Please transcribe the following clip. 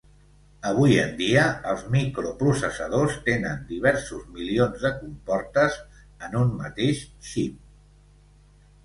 Avui en dia, els microprocessadors tenen diversos milions de comportes en un mateix xip.